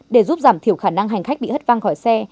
để giúp giảm thiểu khả năng hành khách bị hất văng khỏi xe